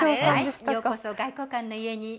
ようこそ外交官の家に。